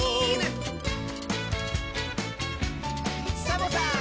サボさん！